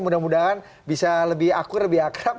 mudah mudahan bisa lebih akur lebih akrab